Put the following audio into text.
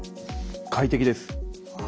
快適です。